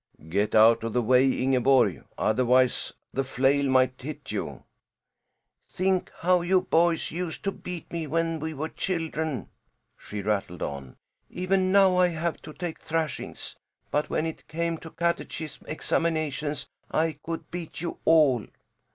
"Get out of the way, Ingeborg! Otherwise the flail might hit you." "Think how you boys used to beat me when we were children!" she rattled on. "Even now I have to take thrashings. But when it came to catechism examinations, I could beat you all.